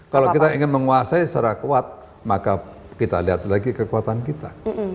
kalau kita ingin menguasai secara kuat maka kita lihat lagi kekuatan kita